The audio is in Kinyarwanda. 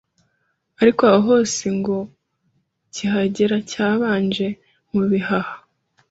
ariko aho hose ngo kihagera cyabanje mu bihaha.